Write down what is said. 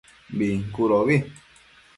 Bincudobi